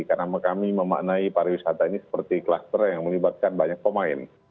karena kami memaknai pariwisata ini seperti kluster yang melibatkan banyak pemain